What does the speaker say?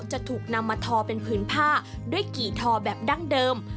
จะถูกนำมาทอเป็นผืนผ้าด้วยกี่ทอแบบดั้งเดิม